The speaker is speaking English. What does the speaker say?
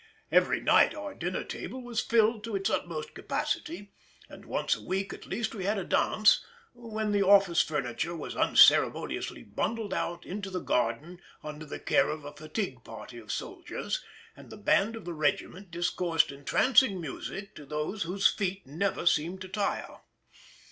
Every night our dinner table was filled to its utmost capacity, and once a week at least we had a dance, when the office furniture was unceremoniously bundled out into the garden under the care of a fatigue party of soldiers, and the band of the regiment discoursed entrancing music to those whose feet never seemed to tire.